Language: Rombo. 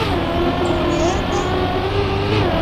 Nkuu ulienda?